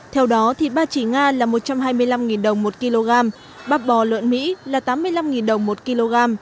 theo đó thịt ba chỉ nga là một trăm hai mươi năm đồng một kg bắp bò lợn mỹ là tám mươi năm đồng một kg